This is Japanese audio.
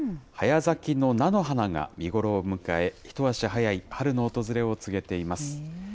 早咲きの菜の花が見頃を迎え、一足早い春の訪れを告げています。